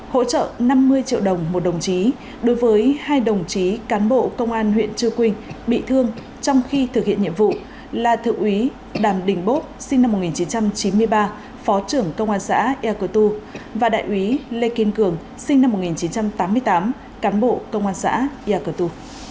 hỗ trợ năm mươi triệu đồng một đồng chí đối với hai đồng chí cán bộ công an huyện chư quynh bị thương trong khi thực hiện nhiệm vụ là thượng úy đàm đình bốt sinh năm một nghìn chín trăm chín mươi ba phó trưởng công an xã ea cơ tu và đại úy lê kiên cường sinh năm một nghìn chín trăm tám mươi tám cán bộ công an xã yà cơ tu